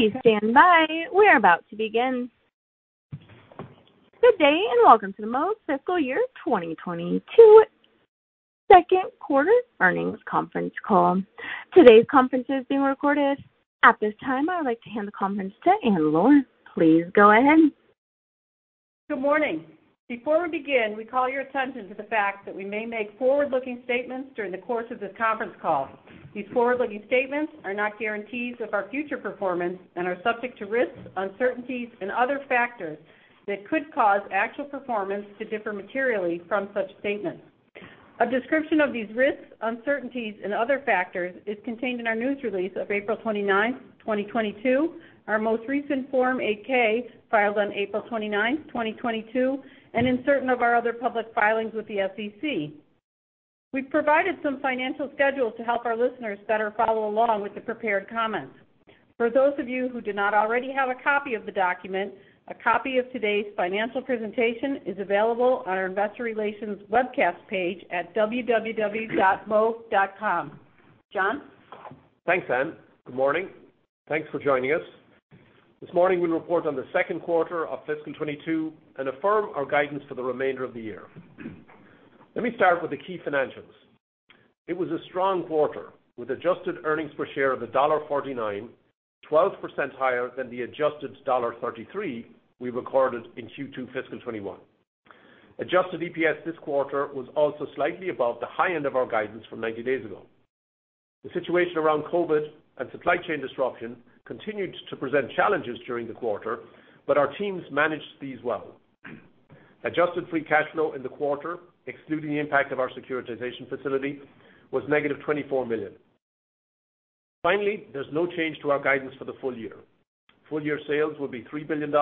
Please stand by. We're about to begin. Good day and welcome to the Moog Fiscal Year 2022 Q2 earnings conference call. Today's conference is being recorded. At this time, I would like to hand the conference to Ann Luhr. Please go ahead. Good morning. Before we begin, we call your attention to the fact that we may make forward-looking statements during the course of this conference call. These forward-looking statements are not guarantees of our future performance and are subject to risks, uncertainties and other factors that could cause actual performance to differ materially from such statements. A description of these risks, uncertainties and other factors is contained in our news release of April 29, 2022, our most recent Form 8-K, filed on April 29, 2022, and in certain of our other public filings with the SEC. We've provided some financial schedules to help our listeners better follow along with the prepared comments. For those of you who do not already have a copy of the document, a copy of today's financial presentation is available on our investor relations webcast page at www.moog.com. John? Thanks, Ann. Good morning. Thanks for joining us. This morning, we report on the Q2 of fiscal 2022 and affirm our guidance for the remainder of the year. Let me start with the key financials. It was a strong quarter with adjusted earnings per share of $1.49, 12% higher than the adjusted $1.33 we recorded in Q2 fiscal 2021. Adjusted EPS this quarter was also slightly above the high end of our guidance from 90 days ago. The situation around COVID and supply chain disruption continued to present challenges during the quarter, but our teams managed these well. Adjusted free cash flow in the quarter, excluding the impact of our securitization facility, was negative $24 million. Finally, there's no change to our guidance for the full year. Full-year sales will be $3 billion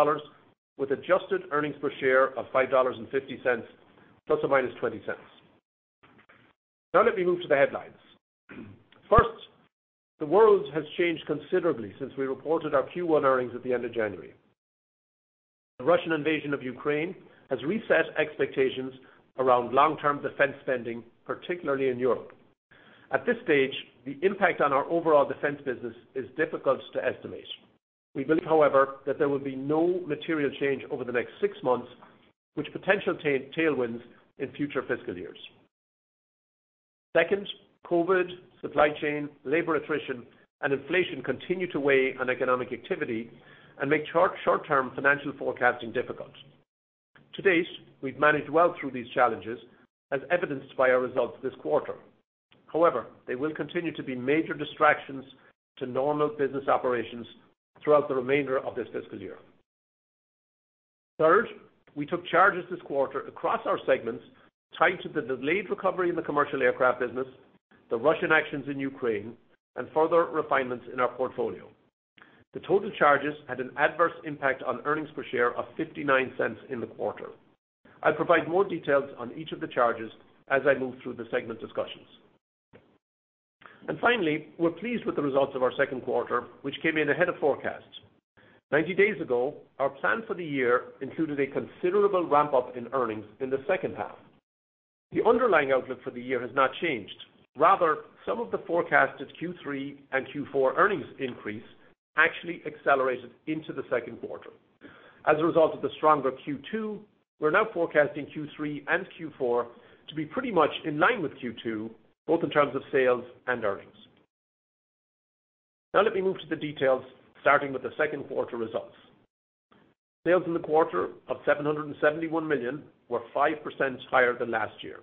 with adjusted earnings per share of $5.50 ± 20 cents. Now let me move to the headlines. First, the world has changed considerably since we reported our Q1 earnings at the end of January. The Russian invasion of Ukraine has reset expectations around long-term defense spending, particularly in Europe. At this stage, the impact on our overall defense business is difficult to estimate. We believe, however, that there will be no material change over the next six months, with potential tailwinds in future fiscal years. Second, COVID, supply chain, labor attrition and inflation continue to weigh on economic activity and make short-term financial forecasting difficult. To date, we've managed well through these challenges, as evidenced by our results this quarter. However, they will continue to be major distractions to normal business operations throughout the remainder of this fiscal year. Third, we took charges this quarter across our segments tied to the delayed recovery in the commercial aircraft business, the Russian actions in Ukraine, and further refinements in our portfolio. The total charges had an adverse impact on earnings per share of $0.59 in the quarter. I'll provide more details on each of the charges as I move through the segment discussions. Finally, we're pleased with the results of our Q2, which came in ahead of forecast. 90 days ago, our plan for the year included a considerable ramp up in earnings in the second half. The underlying outlook for the year has not changed. Rather, some of the forecasted Q3 and Q4 earnings increase actually accelerated into the Q2. As a result of the stronger Q2, we're now forecasting Q3 and Q4 to be pretty much in line with Q2, both in terms of sales and earnings. Now let me move to the details, starting with the Q2 results. Sales in the quarter of $771 million were 5% higher than last year.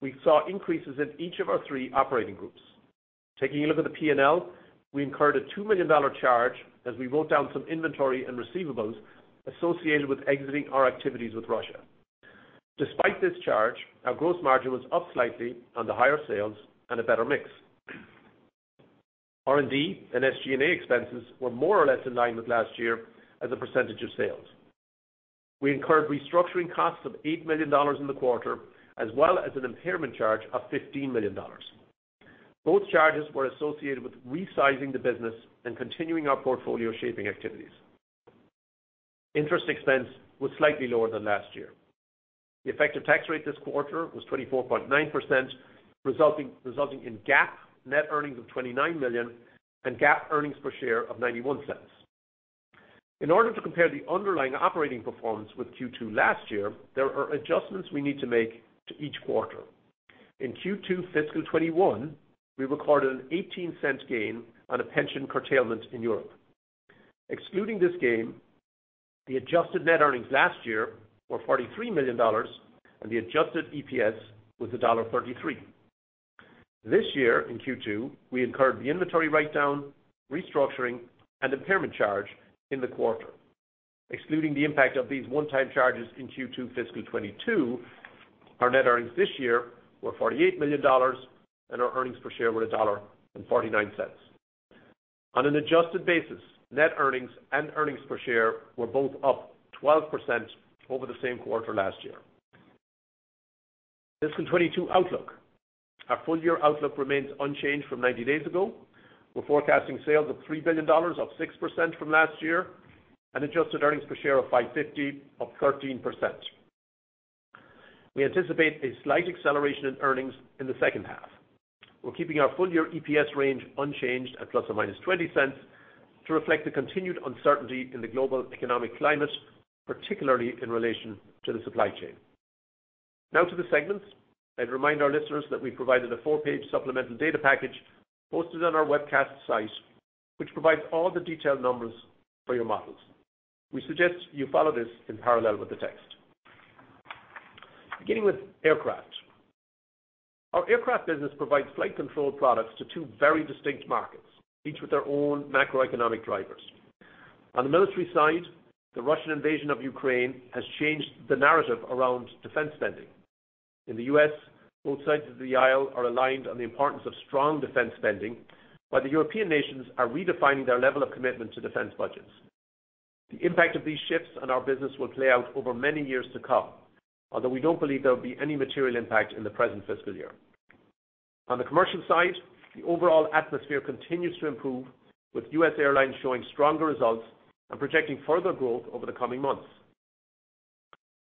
We saw increases in each of our three operating groups. Taking a look at the P&L, we incurred a $2 million charge as we wrote down some inventory and receivables associated with exiting our activities with Russia. Despite this charge, our gross margin was up slightly on the higher sales and a better mix. R&D and SG&A expenses were more or less in line with last year as a percentage of sales. We incurred restructuring costs of $8 million in the quarter, as well as an impairment charge of $15 million. Both charges were associated with resizing the business and continuing our portfolio shaping activities. Interest expense was slightly lower than last year. The effective tax rate this quarter was 24.9%, resulting in GAAP net earnings of $29 million and GAAP earnings per share of $0.91. In order to compare the underlying operating performance with Q2 last year, there are adjustments we need to make to each quarter. In Q2 fiscal 2021, we recorded an $0.18 gain on a pension curtailment in Europe. Excluding this gain, the adjusted net earnings last year were $43 million, and the adjusted EPS was $1.33. This year in Q2, we incurred the inventory write-down, restructuring, and impairment charge in the quarter. Excluding the impact of these one-time charges in Q2 fiscal 2022, our net earnings this year were $48 million, and our earnings per share were $1.49. On an adjusted basis, net earnings and earnings per share were both up 12% over the same quarter last year. Fiscal 2022 outlook. Our full-year outlook remains unchanged from 90 days ago. We're forecasting sales of $3 billion, up 6% from last year, and adjusted earnings per share of $5.50, up 13%. We anticipate a slight acceleration in earnings in the second half. We're keeping our full year EPS range unchanged at ±20 cents to reflect the continued uncertainty in the global economic climate, particularly in relation to the supply chain. Now to the segments. I'd remind our listeners that we provided a four-page supplemental data package posted on our webcast site, which provides all the detailed numbers for your models. We suggest you follow this in parallel with the text. Beginning with aircraft. Our aircraft business provides flight control products to two very distinct markets, each with their own macroeconomic drivers. On the military side, the Russian invasion of Ukraine has changed the narrative around defense spending. In the U.S., both sides of the aisle are aligned on the importance of strong defense spending, while the European nations are redefining their level of commitment to defense budgets. The impact of these shifts on our business will play out over many years to come. Although we don't believe there will be any material impact in the present fiscal year. On the commercial side, the overall atmosphere continues to improve, with U.S. airlines showing stronger results and projecting further growth over the coming months.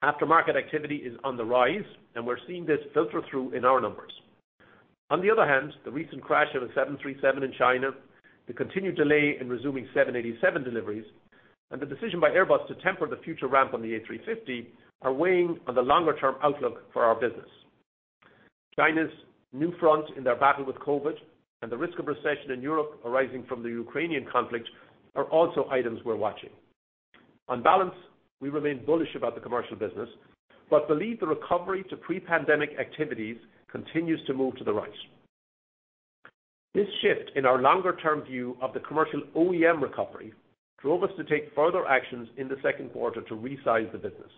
Aftermarket activity is on the rise, and we're seeing this filter through in our numbers. On the other hand, the recent crash of a 737 in China, the continued delay in resuming 787 deliveries, and the decision by Airbus to temper the future ramp on the A350 are weighing on the longer-term outlook for our business. China's new front in their battle with COVID and the risk of recession in Europe arising from the Ukrainian conflict are also items we're watching. On balance, we remain bullish about the commercial business, but believe the recovery to pre-pandemic activities continues to move to the right. This shift in our longer-term view of the commercial OEM recovery drove us to take further actions in the Q2 to resize the business.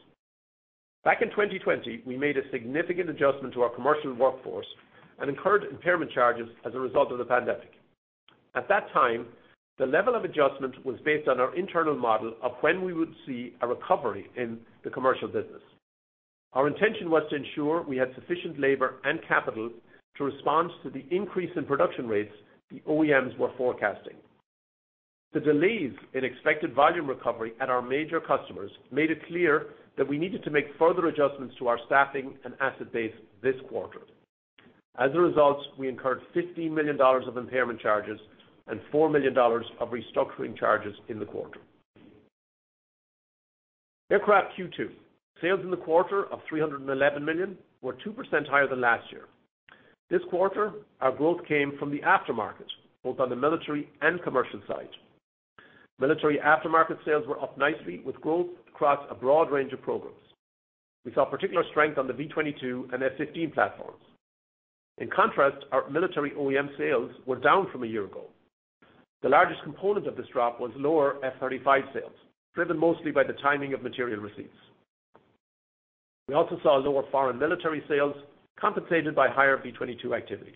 Back in 2020, we made a significant adjustment to our commercial workforce and incurred impairment charges as a result of the pandemic. At that time, the level of adjustment was based on our internal model of when we would see a recovery in the commercial business. Our intention was to ensure we had sufficient labor and capital to respond to the increase in production rates the OEMs were forecasting. The delays in expected volume recovery at our major customers made it clear that we needed to make further adjustments to our staffing and asset base this quarter. As a result, we incurred $50 million of impairment charges and $4 million of restructuring charges in the quarter. Sales in the quarter of $311 million were 2% higher than last year. This quarter, our growth came from the aftermarket, both on the military and commercial side. Military aftermarket sales were up nicely with growth across a broad range of programs. We saw particular strength on the V-22 and F-15 platforms. In contrast, our military OEM sales were down from a year ago. The largest component of this drop was lower F-35 sales, driven mostly by the timing of material receipts. We also saw lower foreign military sales compensated by higher V-22 activity.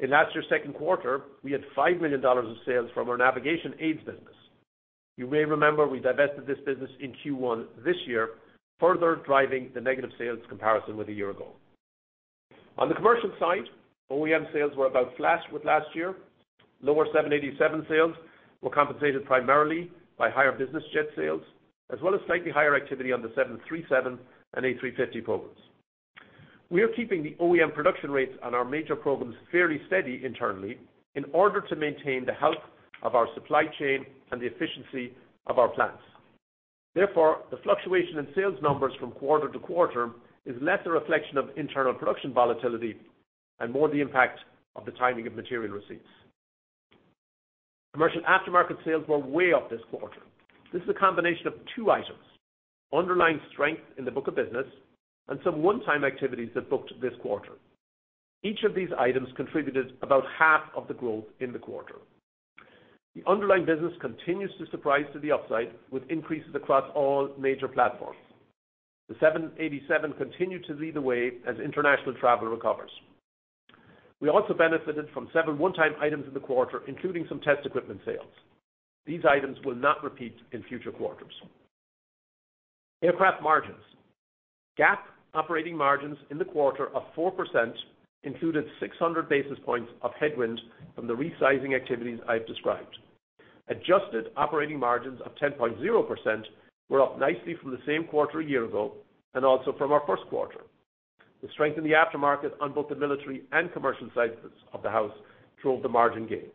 In last year's Q2, we had $5 million of sales from our Navigation Aids business. You may remember we divested this business in Q1 this year, further driving the negative sales comparison with a year ago. On the commercial side, OEM sales were about flat with last year. Lower 787 sales were compensated primarily by higher business jet sales, as well as slightly higher activity on the 737 and A350 programs. We are keeping the OEM production rates on our major programs fairly steady internally in order to maintain the health of our supply chain and the efficiency of our plants. Therefore, the fluctuation in sales numbers from quarter to quarter is less a reflection of internal production volatility and more the impact of the timing of material receipts. Commercial aftermarket sales were way up this quarter. This is a combination of two items, underlying strength in the book of business and some one-time activities that booked this quarter. Each of these items contributed about half of the growth in the quarter. The underlying business continues to surprise to the upside with increases across all major platforms. The 787 continued to lead the way as international travel recovers. We also benefited from several one-time items in the quarter, including some test equipment sales. These items will not repeat in future quarters. Aircraft margins. GAAP operating margins in the quarter of 4% included 600 basis points of headwind from the resizing activities I've described. Adjusted operating margins of 10.0% were up nicely from the same quarter a year ago and also from our Q1. The strength in the aftermarket on both the military and commercial sides of the house drove the margin gain.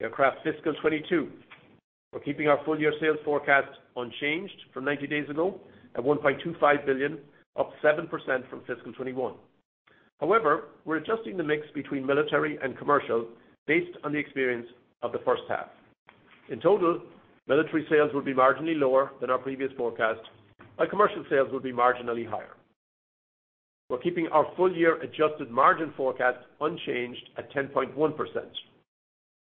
Aircraft fiscal 2022. We're keeping our full-year sales forecast unchanged from 90 days ago at $1.25 billion, up 7% from fiscal 2021. However, we're adjusting the mix between military and commercial based on the experience of the first half. In total, military sales will be marginally lower than our previous forecast, while commercial sales will be marginally higher. We're keeping our full-year adjusted margin forecast unchanged at 10.1%.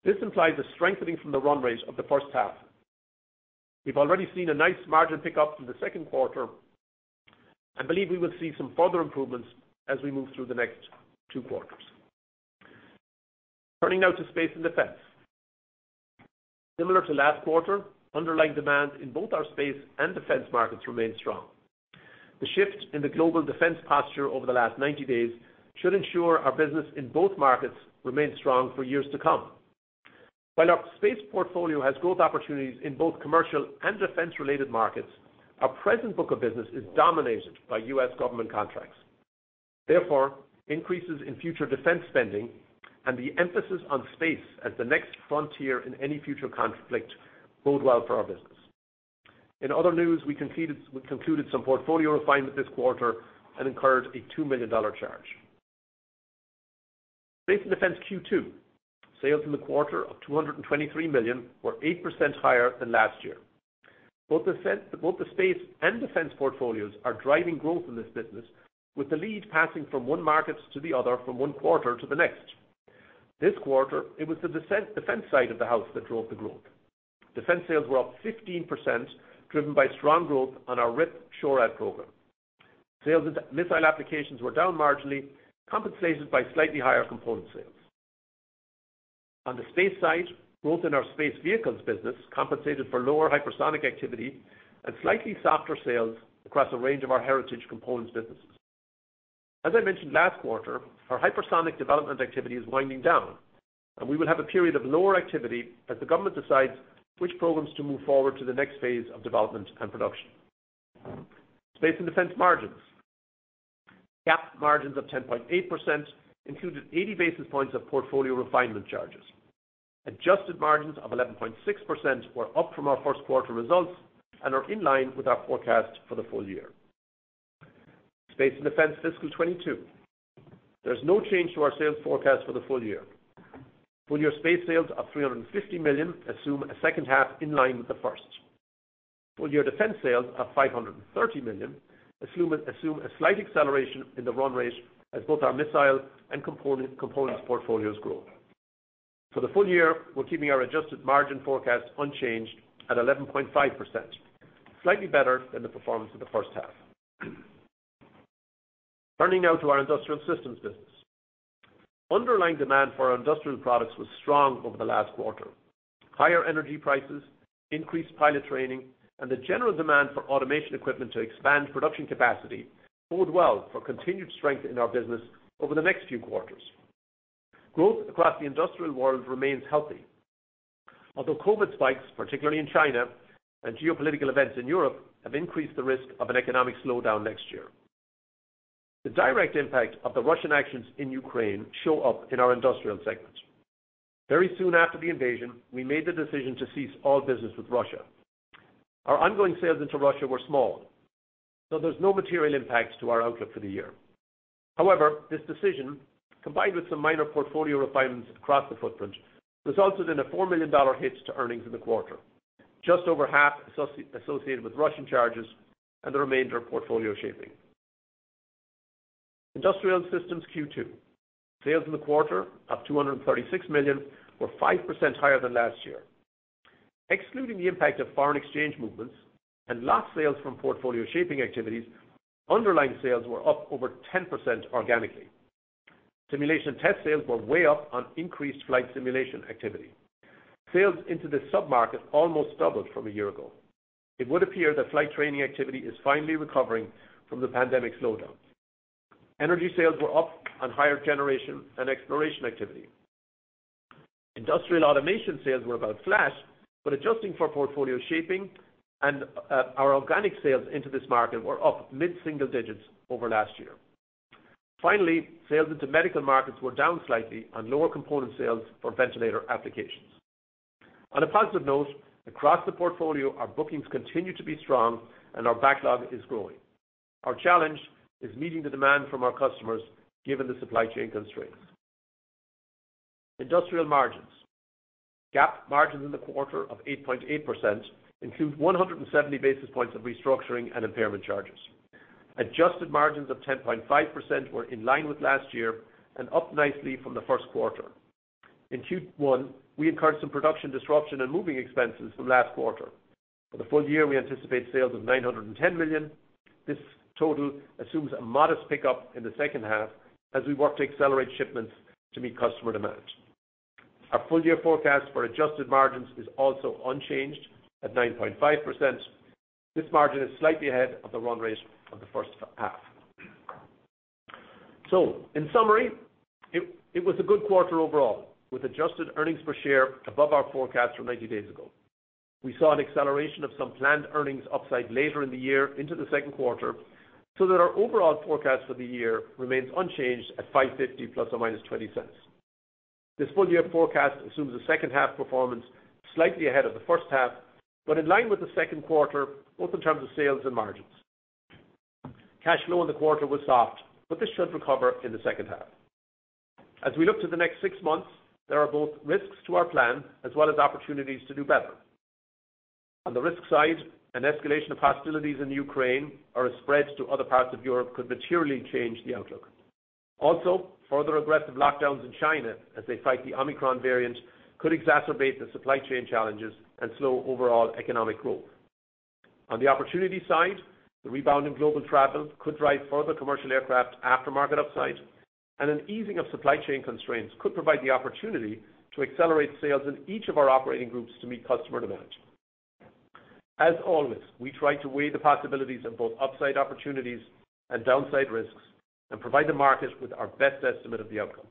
This implies a strengthening from the run rate of the first half. We've already seen a nice margin pickup from the Q2 and believe we will see some further improvements as we move through the next two quarters. Turning now to Space and Defense. Similar to last quarter, underlying demand in both our space and defense markets remains strong. The shift in the global defense posture over the last 90 days should ensure our business in both markets remains strong for years to come. While our space portfolio has growth opportunities in both commercial and defense-related markets, our present book of business is dominated by U.S. government contracts. Therefore, increases in future defense spending and the emphasis on space as the next frontier in any future conflict bode well for our business. In other news, we concluded some portfolio refinement this quarter and incurred a $2 million charge. Space and Defense Q2. Sales in the quarter of $223 million were 8% higher than last year. Both the space and defense portfolios are driving growth in this business, with the lead passing from one market to the other from one quarter to the next. This quarter, it was the defense side of the house that drove the growth. Defense sales were up 15%, driven by strong growth on our RIwP M-SHORAD program. Sales in missile applications were down marginally, compensated by slightly higher component sales. On the space side, growth in our space vehicles business compensated for lower hypersonic activity and slightly softer sales across a range of our heritage components businesses. As I mentioned last quarter, our hypersonic development activity is winding down, and we will have a period of lower activity as the government decides which programs to move forward to the next phase of development and production. Space and Defense margins. GAAP margins of 10.8% included 80 basis points of portfolio refinement charges. Adjusted margins of 11.6% were up from our Q1 results and are in line with our forecast for the full year. Space and Defense fiscal 2022. There's no change to our sales forecast for the full year. Full year space sales of $350 million assume a second half in line with the first. Full year defense sales of $530 million, assume a slight acceleration in the run rate as both our missile and components portfolios grow. For the full year, we're keeping our adjusted margin forecast unchanged at 11.5%, slightly better than the performance of the first half. Turning now to our industrial systems business. Underlying demand for our industrial products was strong over the last quarter. Higher energy prices, increased pilot training, and the general demand for automation equipment to expand production capacity bode well for continued strength in our business over the next few quarters. Growth across the industrial world remains healthy. Although COVID spikes, particularly in China, and geopolitical events in Europe, have increased the risk of an economic slowdown next year. The direct impact of the Russian actions in Ukraine show up in our industrial segments. Very soon after the invasion, we made the decision to cease all business with Russia. Our ongoing sales into Russia were small, so there's no material impact to our outlook for the year. However, this decision, combined with some minor portfolio refinements across the footprint, resulted in a $4 million hit to earnings in the quarter, just over half associated with Russian charges and the remainder of portfolio shaping. Industrial Systems Q2. Sales in the quarter of $236 million were 5% higher than last year. Excluding the impact of foreign exchange movements and lost sales from portfolio shaping activities, underlying sales were up over 10% organically. Simulation and Test sales were way up on increased flight simulation activity. Sales into this sub-market almost doubled from a year ago. It would appear that flight training activity is finally recovering from the pandemic slowdown. Energy sales were up on higher generation and exploration activity. Industrial automation sales were about flat, but adjusting for portfolio shaping and our organic sales into this market were up mid-single digits over last year. Finally, sales into medical markets were down slightly on lower component sales for ventilator applications. On a positive note, across the portfolio, our bookings continue to be strong and our backlog is growing. Our challenge is meeting the demand from our customers given the supply chain constraints. Industrial margins. GAAP margins in the quarter of 8.8% include 170 basis points of restructuring and impairment charges. Adjusted margins of 10.5% were in line with last year and up nicely from the Q1. In Q1, we incurred some production disruption and moving expenses from last quarter. For the full year, we anticipate sales of $910 million. This total assumes a modest pickup in the second half as we work to accelerate shipments to meet customer demand. Our full-year forecast for adjusted margins is also unchanged at 9.5%. This margin is slightly ahead of the run rate of the first half. In summary, it was a good quarter overall, with adjusted earnings per share above our forecast from 90 days ago. We saw an acceleration of some planned earnings upside later in the year into the Q2, so that our overall forecast for the year remains unchanged at $5.50 ± $0.20. This full year forecast assumes a second half performance slightly ahead of the first half, but in line with the Q2, both in terms of sales and margins. Cash flow in the quarter was soft, but this should recover in the second half. As we look to the next six months, there are both risks to our plan as well as opportunities to do better. On the risk side, an escalation of hostilities in Ukraine or a spread to other parts of Europe could materially change the outlook. Also, further aggressive lockdowns in China as they fight the Omicron variant could exacerbate the supply chain challenges and slow overall economic growth. On the opportunity side, the rebound in global travel could drive further commercial aircraft aftermarket upside, and an easing of supply chain constraints could provide the opportunity to accelerate sales in each of our operating groups to meet customer demand. As always, we try to weigh the possibilities of both upside opportunities and downside risks and provide the market with our best estimate of the outcome.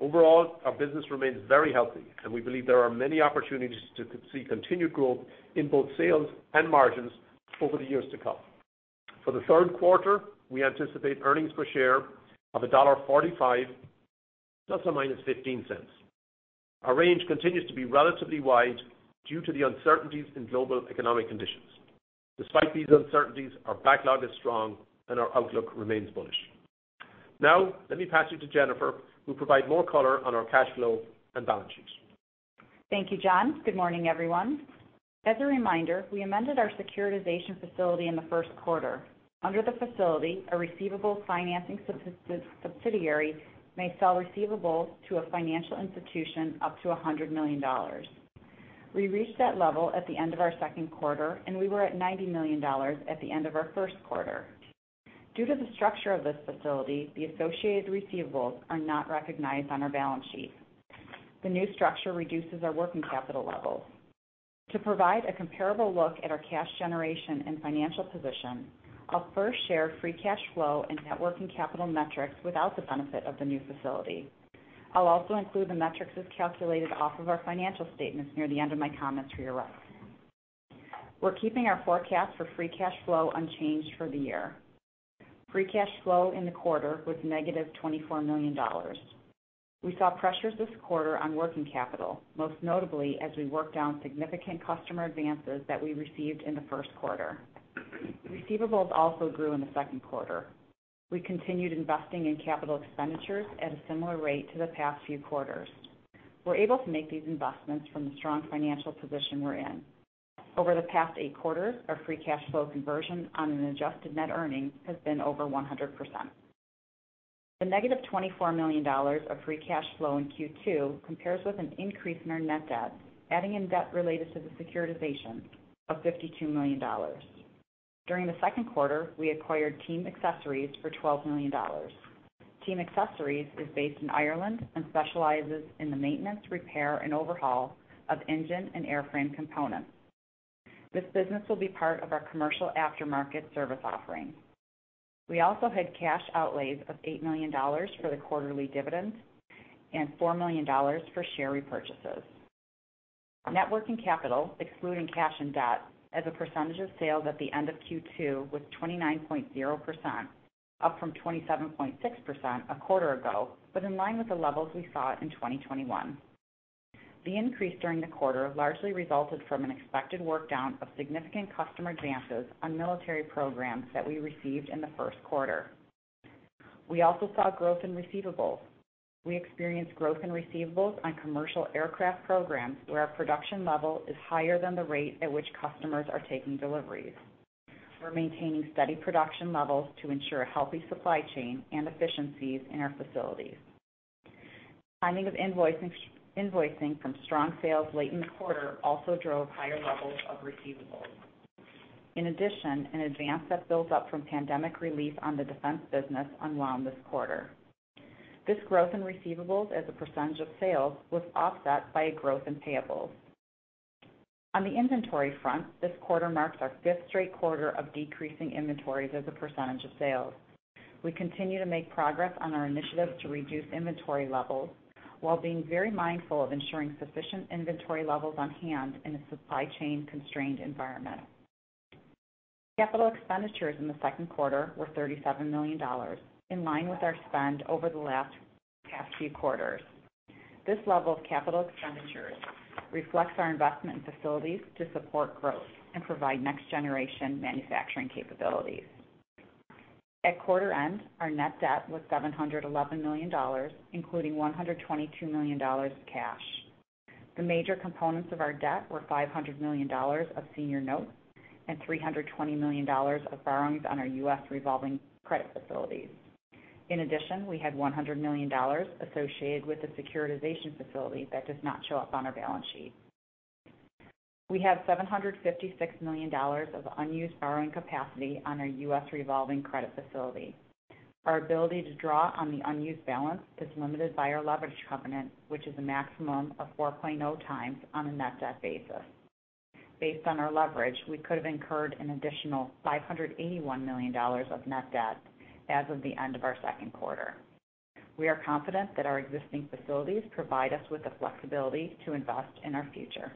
Overall, our business remains very healthy, and we believe there are many opportunities to see continued growth in both sales and margins over the years to come. For the Q3, we anticipate earnings per share of $1.45 ± $0.15. Our range continues to be relatively wide due to the uncertainties in global economic conditions. Despite these uncertainties, our backlog is strong and our outlook remains bullish. Now, let me pass you to Jennifer, who will provide more color on our cash flow and balance sheets. Thank you, John. Good morning, everyone. As a reminder, we amended our securitization facility in the Q1. Under the facility, a receivable financing subsidiary may sell receivables to a financial institution up to $100 million. We reached that level at the end of our Q2, and we were at $90 million at the end of our Q1. Due to the structure of this facility, the associated receivables are not recognized on our balance sheet. The new structure reduces our working capital levels. To provide a comparable look at our cash generation and financial position, I'll first share free cash flow and net working capital metrics without the benefit of the new facility. I'll also include the metrics as calculated off of our financial statements near the end of my comments for your ref. We're keeping our forecast for free cash flow unchanged for the year. Free cash flow in the quarter was negative $24 million. We saw pressures this quarter on working capital, most notably as we worked down significant customer advances that we received in the Q1. Receivables also grew in the Q2. We continued investing in capital expenditures at a similar rate to the past few quarters. We're able to make these investments from the strong financial position we're in. Over the past eight quarters, our free cash flow conversion on an adjusted net earnings has been over 100%. The negative $24 million of free cash flow in Q2 compares with an increase in our net debt, adding in debt related to the securitization of $52 million. During the Q2, we acquired TEAM Accessories for $12 million. TEAM Accessories Limited is based in Ireland and specializes in the maintenance, repair, and overhaul of engine and airframe components. This business will be part of our commercial aftermarket service offering. We also had cash outlays of $8 million for the quarterly dividends and $4 million for share repurchases. Net working capital, excluding cash and debt, as a percentage of sales at the end of Q2 was 29.0%, up from 27.6% a quarter ago, but in line with the levels we saw in 2021. The increase during the quarter largely resulted from an expected workdown of significant customer advances on military programs that we received in the Q1. We also saw growth in receivables. We experienced growth in receivables on commercial aircraft programs where our production level is higher than the rate at which customers are taking deliveries. We're maintaining steady production levels to ensure a healthy supply chain and efficiencies in our facilities. Timing of invoicing from strong sales late in the quarter also drove higher levels of receivables. In addition, an advance that built up from pandemic relief on the defense business unwound this quarter. This growth in receivables as a percentage of sales was offset by a growth in payables. On the inventory front, this quarter marks our fifth straight quarter of decreasing inventories as a percentage of sales. We continue to make progress on our initiatives to reduce inventory levels while being very mindful of ensuring sufficient inventory levels on-hand in a supply chain constrained environment. Capital expenditures in the Q2 were $37 million, in line with our spend over the last few quarters. This level of capital expenditures reflects our investment in facilities to support growth and provide next-generation manufacturing capabilities. At quarter end, our net debt was $711 million, including $122 million cash. The major components of our debt were $500 million of senior notes and $320 million of borrowings on our U.S. revolving credit facilities. In addition, we had $100 million associated with the securitization facility that does not show up on our balance sheet. We have $756 million of unused borrowing capacity on our U.S. revolving credit facility. Our ability to draw on the unused balance is limited by our leverage covenant, which is a maximum of 4.0x on a net debt basis. Based on our leverage, we could have incurred an additional $581 million of net debt as of the end of our Q2. We are confident that our existing facilities provide us with the flexibility to invest in our future.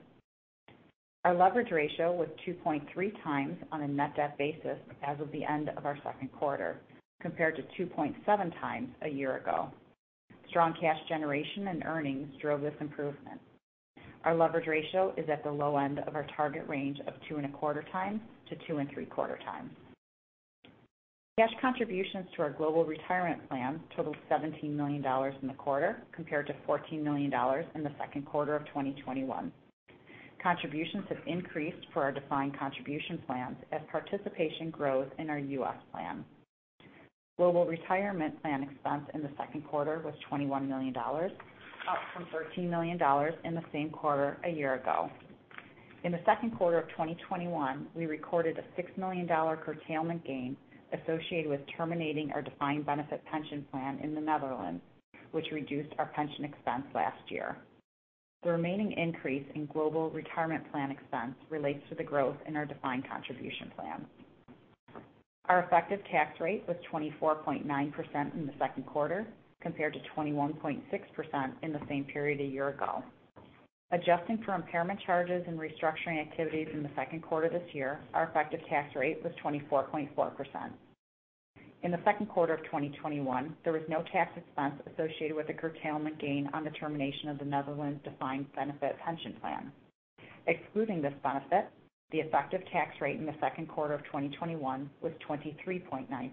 Our leverage ratio was 2.3x on a net debt basis as of the end of our Q2, compared to 2.7x a year ago. Strong cash generation and earnings drove this improvement. Our leverage ratio is at the low end of our target range of 2.25x-2.75x. Cash contributions to our global retirement plan totaled $17 million in the quarter, compared to $14 million in the Q2 of 2021. Contributions have increased for our defined contribution plans as participation grows in our U.S. plan. Global retirement plan expense in the Q2 was $21 million, up from $13 million in the same quarter a year ago. In the Q2 of 2021, we recorded a $6 million curtailment gain associated with terminating our defined benefit pension plan in the Netherlands, which reduced our pension expense last year. The remaining increase in global retirement plan expense relates to the growth in our defined contribution plan. Our effective tax rate was 24.9% in theQ2, compared to 21.6% in the same period a year ago. Adjusting for impairment charges and restructuring activities in the Q2 this year, our effective tax rate was 24.4%. In the Q2 of 2021, there was no tax expense associated with the curtailment gain on the termination of the Netherlands defined benefit pension plan. Excluding this benefit, the effective tax rate in the Q2 of 2021 was 23.9%.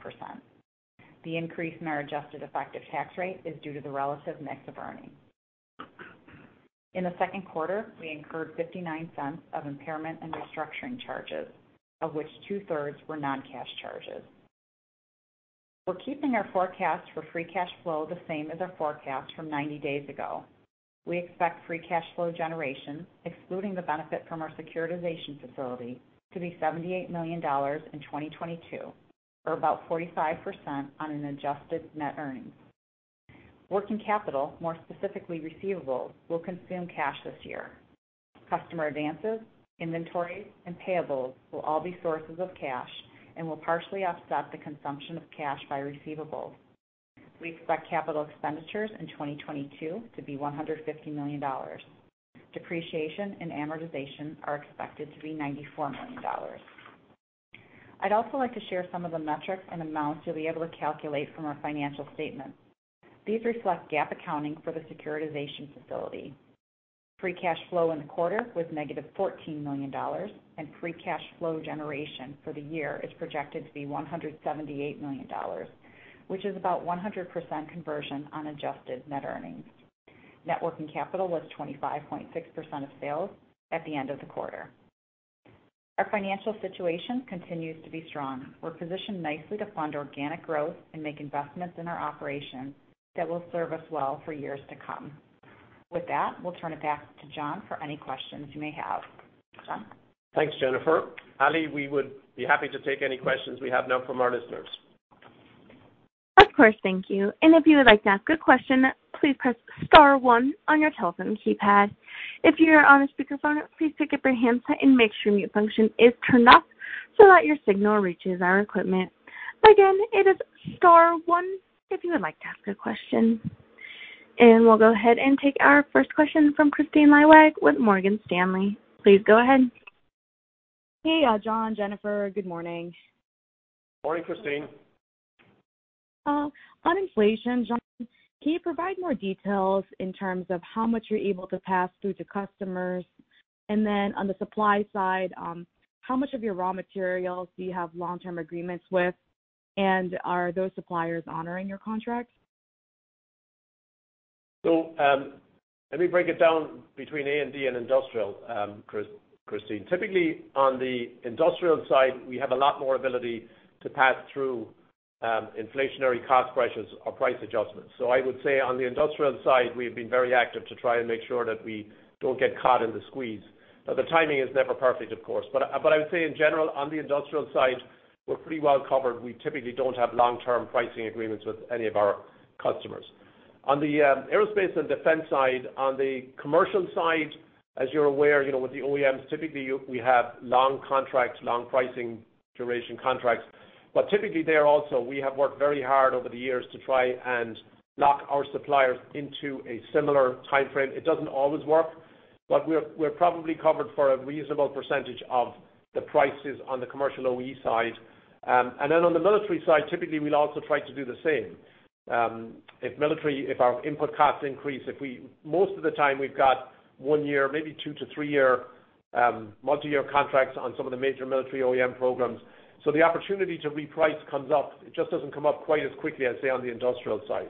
The increase in our adjusted effective tax rate is due to the relative mix of earnings. In the Q2, we incurred $0.59 of impairment and restructuring charges, of which two-thirds were non-cash charges. We're keeping our forecast for free cash flow the same as our forecast from 90 days ago. We expect free cash flow generation, excluding the benefit from our securitization facility, to be $78 million in 2022, or about 45% on an adjusted net earnings. Working capital, more specifically receivables, will consume cash this year. Customer advances, inventories, and payables will all be sources of cash and will partially offset the consumption of cash by receivables. We expect capital expenditures in 2022 to be $150 million. Depreciation and amortization are expected to be $94 million. I'd also like to share some of the metrics and amounts you'll be able to calculate from our financial statement. These reflect GAAP accounting for the securitization facility. Free cash flow in the quarter was negative $14 million, and free cash flow generation for the year is projected to be $178 million, which is about 100% conversion on adjusted net earnings. Net working capital was 25.6% of sales at the end of the quarter. Our financial situation continues to be strong. We're positioned nicely to fund organic growth and make investments in our operations that will serve us well for years to come. With that, we'll turn it back to John for any questions you may have. John? Thanks, Jennifer. Ali, we would be happy to take any questions we have now from our listeners. Of course. Thank you. If you would like to ask a question, please press star one on your telephone keypad. If you're on a speakerphone, please pick up your handset and make sure mute function is turned off so that your signal reaches our equipment. Again, it is star one if you would like to ask a question. We'll go ahead and take our first question from Kristine Liwag with Morgan Stanley. Please go ahead. Hey, John, Jennifer. Good morning. Morning, Kristine. On inflation, John, can you provide more details in terms of how much you're able to pass through to customers? On the supply side, how much of your raw materials do you have long-term agreements with? And are those suppliers honoring your contracts? Let me break it down between A&D and industrial, Kristine. Typically, on the industrial side, we have a lot more ability to pass through inflationary cost pressures or price adjustments. I would say on the industrial side, we've been very active to try and make sure that we don't get caught in the squeeze. Now, the timing is never perfect, of course. I would say in general, on the industrial side, we're pretty well covered. We typically don't have long-term pricing agreements with any of our customers. On the aerospace and defense side, on the commercial side, as you're aware, you know, with the OEMs, we have long contracts, long pricing duration contracts. Typically there also, we have worked very hard over the years to try and lock our suppliers into a similar timeframe. It doesn't always work, but we're probably covered for a reasonable percentage of the prices on the commercial OEM side. On the military side, typically, we'll also try to do the same. If our input costs increase, most of the time, we've got 1 year, maybe 2- to 3-year multiyear contracts on some of the major military OEM programs. The opportunity to reprice comes up. It just doesn't come up quite as quickly as, say, on the industrial side.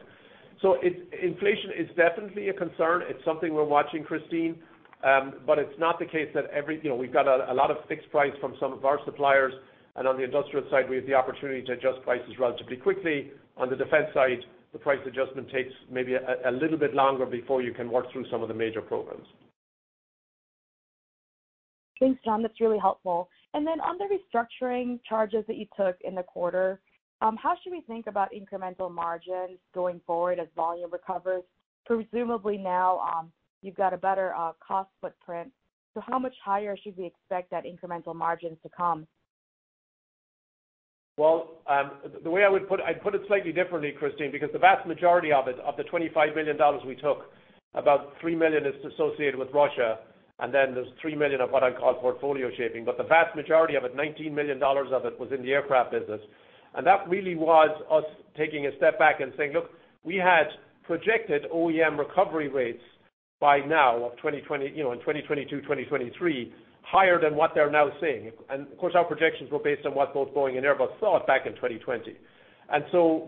Inflation is definitely a concern. It's something we're watching, Kristine. It's not the case that every, you know, we've got a lot of fixed price from some of our suppliers. On the industrial side, we have the opportunity to adjust prices relatively quickly. On the defense side, the price adjustment takes maybe a little bit longer before you can work through some of the major programs. Thanks, John. That's really helpful. On the restructuring charges that you took in the quarter, how should we think about incremental margins going forward as volume recovers? Presumably now, you've got a better cost footprint. How much higher should we expect that incremental margins to come? Well, the way I'd put it slightly differently, Kristine, because the vast majority of it, of the $25 million we took, about $3 million is associated with Russia, and then there's $3 million of what I call portfolio shaping. The vast majority of it, $19 million of it, was in the aircraft business. That really was us taking a step back and saying, "Look, we had projected OEM recovery rates by now of 2020, you know, in 2022, 2023, higher than what they're now seeing." Of course, our projections were based on what both Boeing and Airbus thought back in 2020.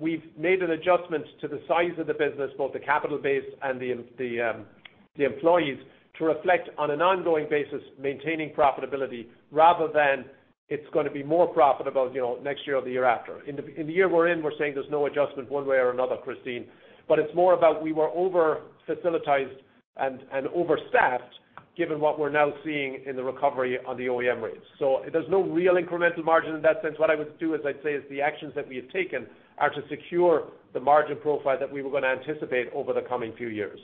We've made an adjustment to the size of the business, both the capital base and the employees, to reflect on an ongoing basis, maintaining profitability rather than it's gonna be more profitable, you know, next year or the year after. In the year we're in, we're saying there's no adjustment one way or another, Kristine. But it's more about we were over-facilitized and overstaffed given what we're now seeing in the recovery on the OEM rates. There's no real incremental margin in that sense. What I would do is I'd say the actions that we have taken are to secure the margin profile that we were gonna anticipate over the coming few years.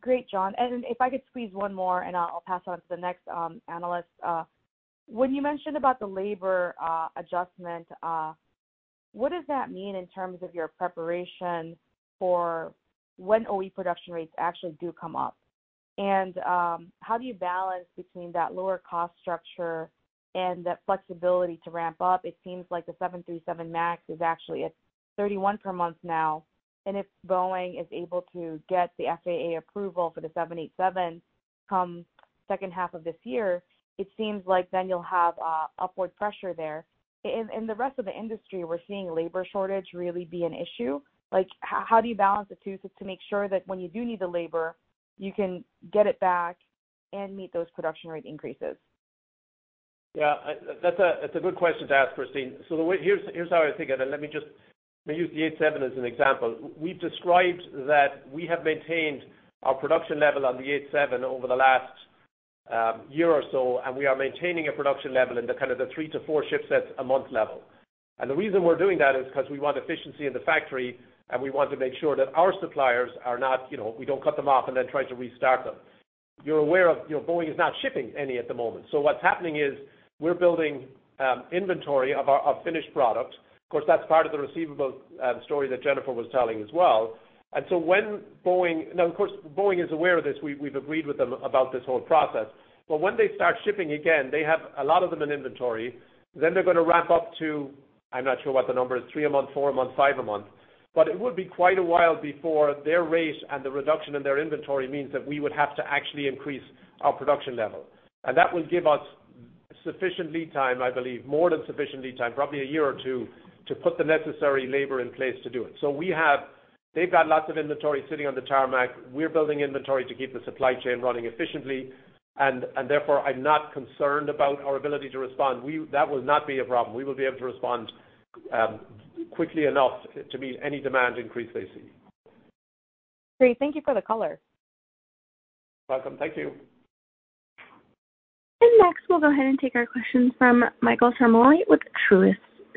Great, John. If I could squeeze one more, I'll pass on to the next analyst. When you mentioned about the labor adjustment, what does that mean in terms of your preparation for when OEM production rates actually do come up? How do you balance between that lower cost structure and that flexibility to ramp up? It seems like the 737 MAX is actually at 31 per month now. If Boeing is able to get the FAA approval for the 787 come second half of this year, it seems like then you'll have upward pressure there. In the rest of the industry, we're seeing labor shortage really be an issue. Like, how do you balance the two to make sure that when you do need the labor, you can get it back and meet those production rate increases? Yeah. That's a good question to ask, Kristine. Here's how I think of it. Let me just use the 787 as an example. We've described that we have maintained our production level on the 787 over the last year or so, and we are maintaining a production level in the kind of the three to four ship sets a month level. The reason we're doing that is 'cause we want efficiency in the factory, and we want to make sure that our suppliers are not, you know, we don't cut them off and then try to restart them. You're aware of, you know, Boeing is not shipping any at the moment. What's happening is we're building inventory of finished product. Of course, that's part of the receivable story that Jennifer was telling as well. Now, of course, Boeing is aware of this. We've agreed with them about this whole process. When they start shipping again, they have a lot of them in inventory, then they're gonna ramp up to, I'm not sure what the number is, three a month, four a month, five a month. It would be quite a while before their rate and the reduction in their inventory means that we would have to actually increase our production level. That will give us sufficient lead time, I believe, more than sufficient lead time, probably a year or two, to put the necessary labor in place to do it. They've got lots of inventory sitting on the tarmac. We're building inventory to keep the supply chain running efficiently. Therefore, I'm not concerned about our ability to respond. That will not be a problem. We will be able to respond quickly enough to meet any demand increase they see. Great. Thank you for the color. You're welcome. Thank you. Next, we'll go ahead and take our question from Michael Ciarmoli with Truist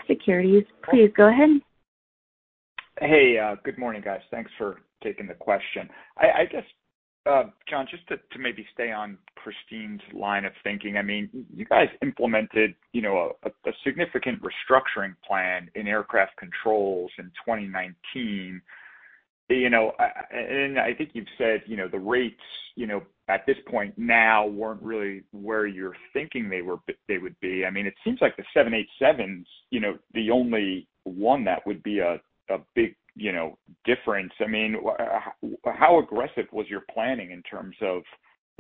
Securities. Please go ahead. Hey, good morning, guys. Thanks for taking the question. I just, John, just to maybe stay on Kristine's line of thinking. I mean, you guys implemented, you know, a significant restructuring plan in aircraft controls in 2019. You know, and I think you've said, you know, the rates, you know, at this point now weren't really where you were thinking they would be. I mean, it seems like the 787s, you know, the only one that would be a big, you know, difference. I mean, how aggressive was your planning in terms of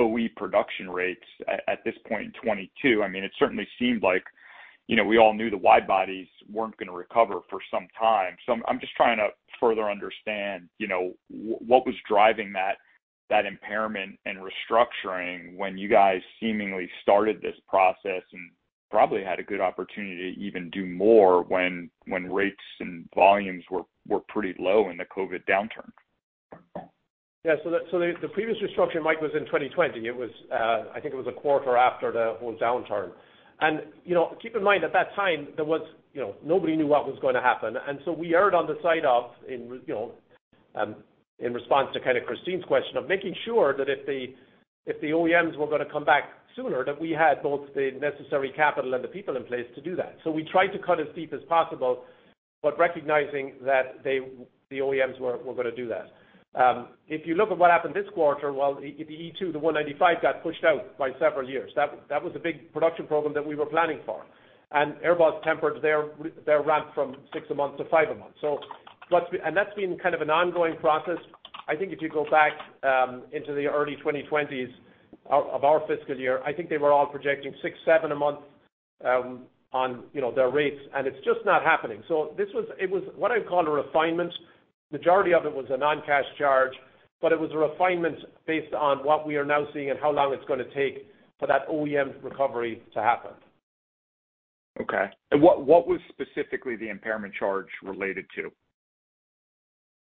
OEM production rates at this point in 2022? I mean, it certainly seemed like, you know, we all knew the wide bodies weren't gonna recover for some time. I'm just trying to further understand, you know, what was driving that impairment and restructuring when you guys seemingly started this process and probably had a good opportunity to even do more when rates and volumes were pretty low in the COVID downturn. The previous restructuring, Mike, was in 2020. It was, I think, a quarter after the whole downturn. You know, keep in mind, at that time, there was, you know, nobody knew what was gonna happen. We erred on the side of, you know, in response to kinda Kristine's question, of making sure that if the OEMs were gonna come back sooner, that we had both the necessary capital and the people in place to do that. We tried to cut as deep as possible, but recognizing that they, the OEMs, were gonna do that. If you look at what happened this quarter, well, the E195-E2 got pushed out by several years. That was a big production program that we were planning for. Airbus tempered their ramp from six a month to five a month. That's been kind of an ongoing process. I think if you go back into the early 2020s of our fiscal year, I think they were all projecting six, seven a month on, you know, their rates, and it's just not happening. It was what I'd call a refinement. Majority of it was a non-cash charge, but it was a refinement based on what we are now seeing and how long it's gonna take for that OEM recovery to happen. Okay. What was specifically the impairment charge related to?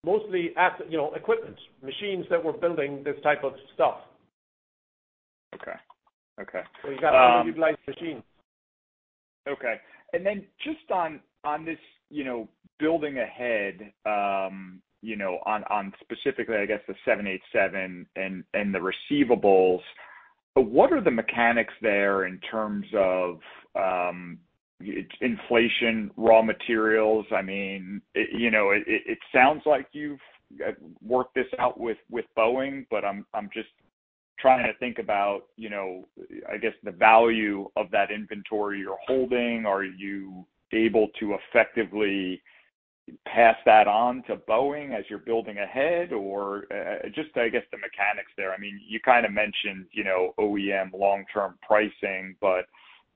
Mostly as, you know, equipment, machines that were building this type of stuff. Okay. You got underutilized machines. Okay. Just on this, you know, building ahead, you know, on specifically, I guess the 787 and the receivables, what are the mechanics there in terms of it's inflation, raw materials? I mean, you know, it sounds like you've worked this out with Boeing, but I'm just trying to think about, you know, I guess, the value of that inventory you're holding. Are you able to effectively pass that on to Boeing as you're building ahead? Or just, I guess, the mechanics there. I mean, you kinda mentioned, you know, OEM long-term pricing, but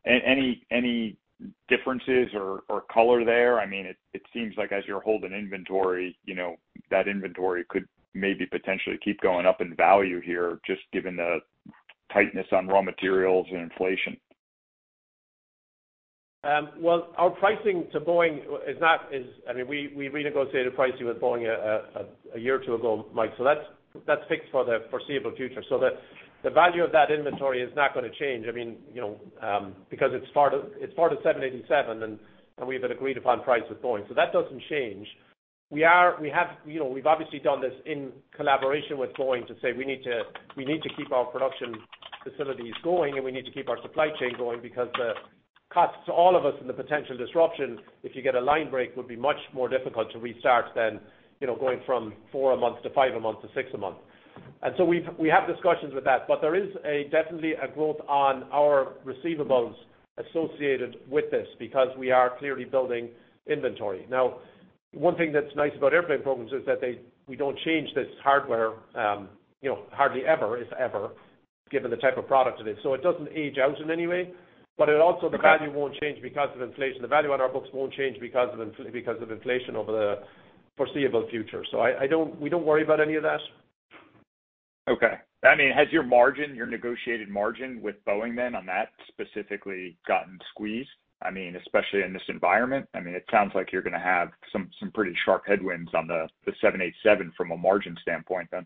any differences or color there? I mean, it seems like as you're holding inventory, you know, that inventory could maybe potentially keep going up in value here, just given the tightness on raw materials and inflation. Well, our pricing to Boeing is, I mean, we renegotiated pricing with Boeing a year or two ago, Mike. That's fixed for the foreseeable future. The value of that inventory is not gonna change. I mean, you know, because it's part of 787, and we have an agreed upon price with Boeing. That doesn't change. We have, you know, we've obviously done this in collaboration with Boeing to say, we need to keep our production facilities going, and we need to keep our supply chain going because the costs to all of us and the potential disruption, if you get a line break, would be much more difficult to restart than, you know, going from four a month to five a month to six a month. We have discussions with that. There is definitely a growth on our receivables associated with this because we are clearly building inventory. Now, one thing that's nice about airplane programs is that we don't change this hardware, you know, hardly ever, if ever, given the type of product it is. It doesn't age out in any way. It also- Okay. The value won't change because of inflation. The value on our books won't change because of inflation over the foreseeable future. We don't worry about any of that. Okay. I mean, has your margin, your negotiated margin with Boeing then on that specifically gotten squeezed? I mean, especially in this environment, I mean, it sounds like you're gonna have some pretty sharp headwinds on the 787 from a margin standpoint then.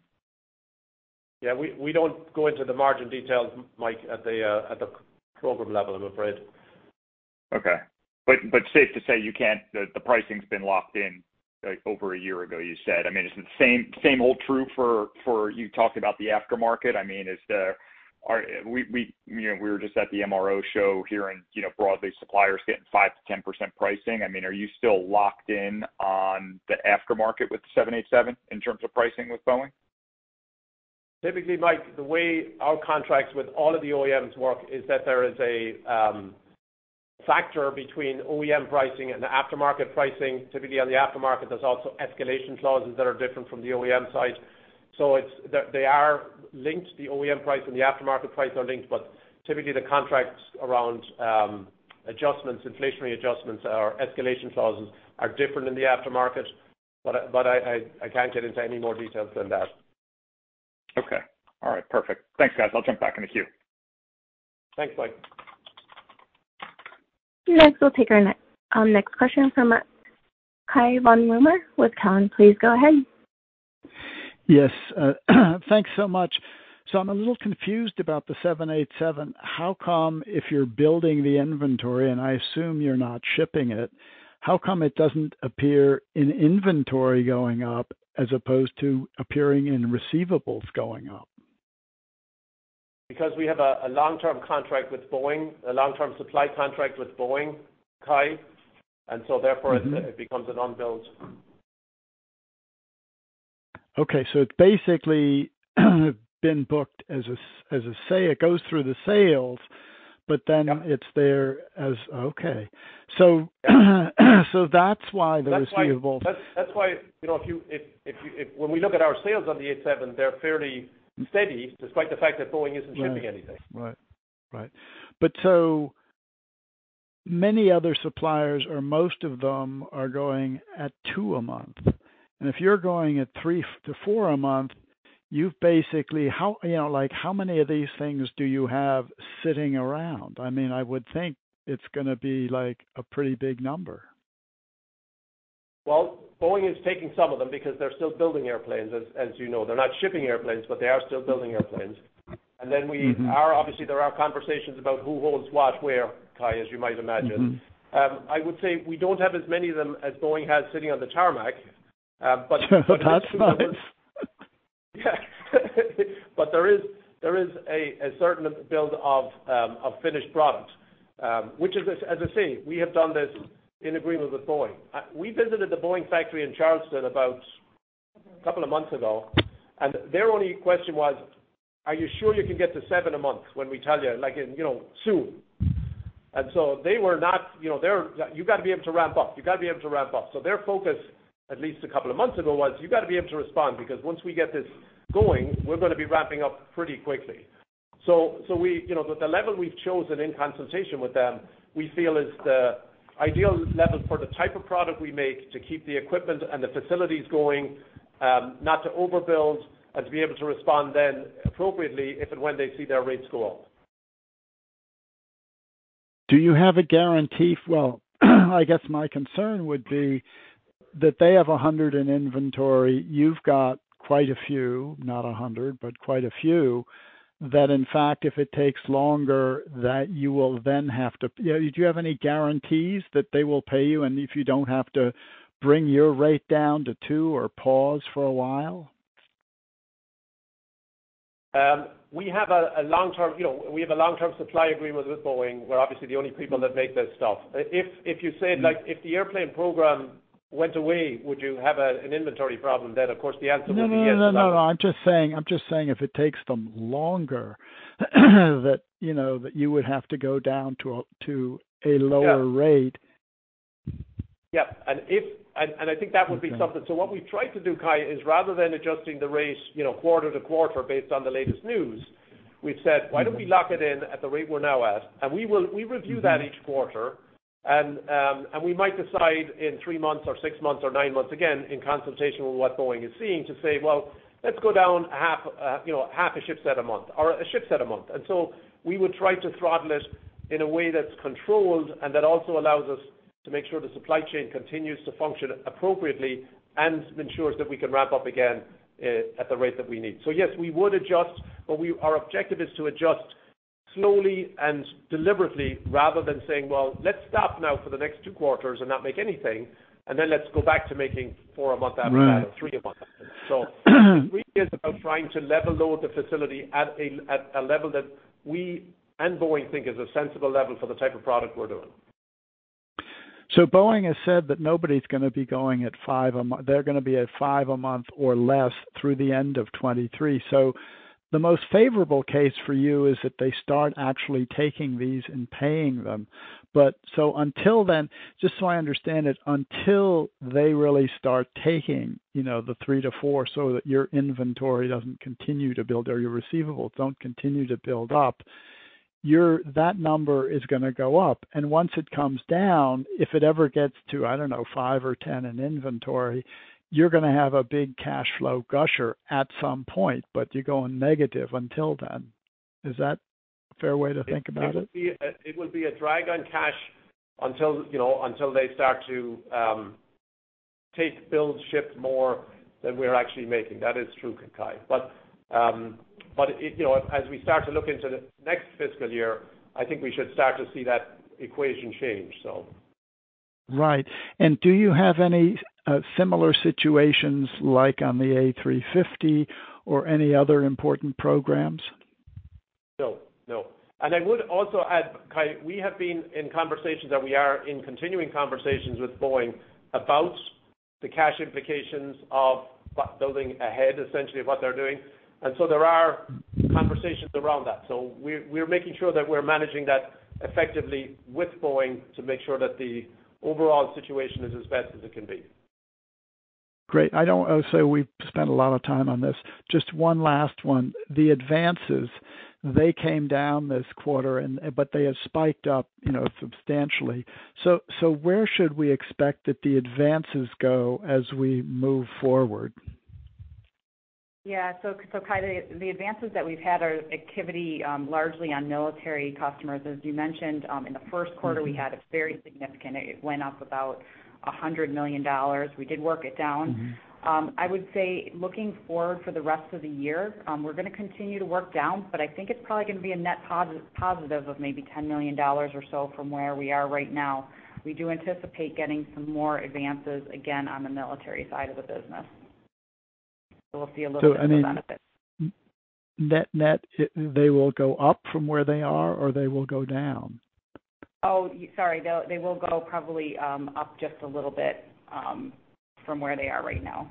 Yeah, we don't go into the margin details, Mike, at the program level, I'm afraid. Okay. Safe to say you can't. The pricing's been locked in, like, over a year ago, you said. I mean, is the same hold true for the aftermarket you talked about? I mean, are we, you know, we were just at the MRO show hearing, you know, broadly, suppliers getting 5%-10% pricing. I mean, are you still locked in on the aftermarket with 787 in terms of pricing with Boeing? Typically, Mike, the way our contracts with all of the OEMs work is that there is a factor between OEM pricing and the aftermarket pricing. Typically, on the aftermarket, there's also escalation clauses that are different from the OEM side. They are linked, the OEM price and the aftermarket price are linked, but typically the contracts around adjustments, inflationary adjustments or escalation clauses are different in the aftermarket. But I can't get into any more details than that. Okay. All right. Perfect. Thanks, guys. I'll jump back in the queue. Thanks, Mike. Next, we'll take our next question from Gautam Khanna with Cowen. Please go ahead. Yes. Thanks so much. I'm a little confused about the 787. How come if you're building the inventory, and I assume you're not shipping it, how come it doesn't appear in inventory going up as opposed to appearing in receivables going up? Because we have a long-term contract with Boeing, a long-term supply contract with Boeing, Gautam Khanna. Mm-hmm. Therefore it becomes a non-billable. It's basically been booked as a sale. It goes through the sales, but then. Yeah. It's there. Okay. That's why the receivables- That's why, you know, if when we look at our sales on the 787, they're fairly steady despite the fact that Boeing isn't shipping anything. Right. Many other suppliers or most of them are going at 2 a month. If you're going at 3-4 a month, how, you know, like, how many of these things do you have sitting around? I mean, I would think it's gonna be like a pretty big number. Well, Boeing is taking some of them because they're still building airplanes as you know. They're not shipping airplanes, but they are still building airplanes. Mm-hmm. We are obviously there are conversations about who holds what, where, Gautam, as you might imagine. Mm-hmm. I would say we don't have as many of them as Boeing has sitting on the tarmac, but. Sure. That's. Yeah. There is a certain build of finished product, which is as I say, we have done this in agreement with Boeing. We visited the Boeing factory in Charleston about a couple of months ago, and their only question was, "Are you sure you can get to seven a month when we tell you? Like in, you know, soon." They were not, you know, they're, you gotta be able to ramp up. You gotta be able to ramp up. Their focus at least a couple of months ago was, "You gotta be able to respond because once we get this going, we're gonna be ramping up pretty quickly." We, you know, the level we've chosen in consultation with them, we feel is the ideal level for the type of product we make to keep the equipment and the facilities going, not to overbuild and to be able to respond then appropriately if and when they see their rates go up. Do you have a guarantee? Well, I guess my concern would be that they have 100 in inventory. You've got quite a few, not 100, but quite a few that in fact, if it takes longer, that you will then have to. Yeah, do you have any guarantees that they will pay you, and if you don't have to bring your rate down to 2% or pause for a while? You know, we have a long-term supply agreement with Boeing. We're obviously the only people that make this stuff. If you said, like, if the airplane program went away, would you have an inventory problem? Of course, the answer would be yes. No. I'm just saying if it takes them longer, that you know that you would have to go down to a lower rate. I think that would be something. What we've tried to do, Gautam, is rather than adjusting the rates, you know, quarter to quarter based on the latest news, we've said. Mm-hmm. Why don't we lock it in at the rate we're now at?" We will review that each quarter and we might decide in three months or six months or nine months, again, in consultation with what Boeing is seeing to say, "Well, let's go down half a ship set a month or a ship set a month." We would try to throttle it in a way that's controlled and that also allows us to make sure the supply chain continues to function appropriately and ensures that we can ramp up again at the rate that we need. Yes, we would adjust, but we, our objective is to adjust slowly and deliberately rather than saying, "Well, let's stop now for the next two quarters and not make anything, and then let's go back to making four a month after that or three a month after. Right. For me, it's about trying to level load the facility at a level that we and Boeing think is a sensible level for the type of product we're doing. Boeing has said that nobody's gonna be going at five a month. They're gonna be at five a month or less through the end of 2023. The most favorable case for you is that they start actually taking these and paying them. Until then, just so I understand it, until they really start taking, you know, the three to four so that your inventory doesn't continue to build or your receivables don't continue to build up, you're that number is gonna go up. Once it comes down, if it ever gets to, I don't know, five or 10 in inventory, you're gonna have a big cash flow gusher at some point, but you're going negative until then. Is that a fair way to think about it? It will be a drag on cash until, you know, until they start to build and ship more than we're actually making. That is true, Gautam Khanna. It, you know, as we start to look into the next fiscal year, I think we should start to see that equation change, so. Right. Do you have any similar situations like on the A350 or any other important programs? No. I would also add, Gautam, we have been in conversations and we are in continuing conversations with Boeing about the cash implications of building ahead, essentially what they're doing. There are conversations around that. We're making sure that we're managing that effectively with Boeing to make sure that the overall situation is as best as it can be. Great. I don't wanna say we've spent a lot of time on this. Just one last one. The advances, they came down this quarter, but they have spiked up, you know, substantially. Where should we expect that the advances go as we move forward? Yeah. Gautam Khanna, the advances that we've had are active largely on military customers. As you mentioned, in the Q1, we had a very significant, it went up about $100 million. We did work it down. Mm-hmm. I would say looking forward for the rest of the year, we're gonna continue to work down, but I think it's probably gonna be a net positive of maybe $10 million or so from where we are right now. We do anticipate getting some more advances again on the military side of the business. We'll see a little bit of a benefit. I mean, net net, they will go up from where they are or they will go down? Oh, sorry. They will go probably up just a little bit from where they are right now.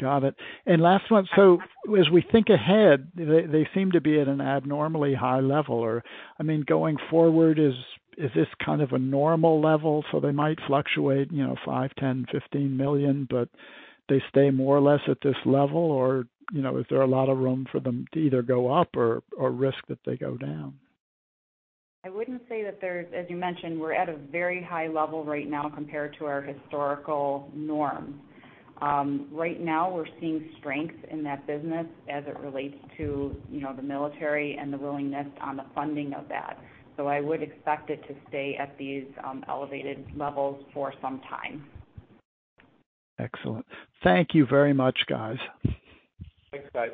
Got it. Last one. As we think ahead, they seem to be at an abnormally high level or, I mean, going forward is this kind of a normal level? They might fluctuate, you know, $5 million, $10 million, $15 million, but they stay more or less at this level or, you know, is there a lot of room for them to either go up or risk that they go down? I wouldn't say that. As you mentioned, we're at a very high level right now compared to our historical norm. Right now we're seeing strength in that business as it relates to, you know, the military and the willingness on the funding of that. I would expect it to stay at these elevated levels for some time. Excellent. Thank you very much, guys. Thanks, guys.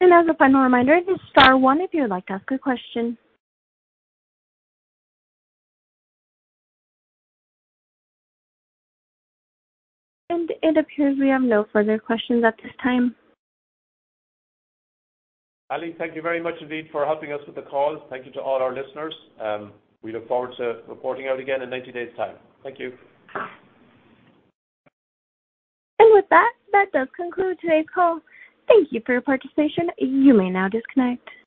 As a final reminder, this is star one if you would like to ask a question. It appears we have no further questions at this time. Ali, thank you very much indeed for helping us with the call. Thank you to all our listeners. We look forward to reporting out again in 90 days' time. Thank you. With that does conclude today's call. Thank you for your participation. You may now disconnect.